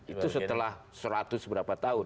itu setelah seratus berapa tahun